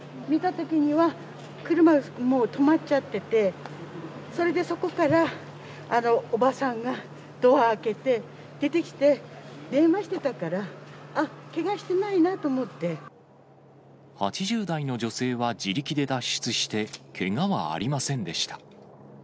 見たときには、車がもう止まっちゃってて、それでそこから、おばさんがドア開けて出てきて、電話してたから、あっ、けがして８０代の女性は自力で脱出して、けがはありませんでした。